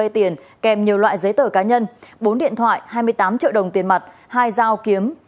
tiền mặt hai giao kiếm